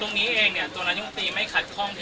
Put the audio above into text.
ตรงนี้เองเนี่ยตัวนัยยุงตรีไม่คัดคล่องที่จะให้หน่วยงานยืนดี